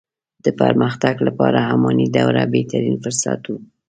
د پرمختګ لپاره اماني دوره بهترين فرصت وو.